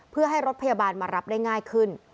เพื่อให้รถพยาบาลมารับได้ง่ายขึ้น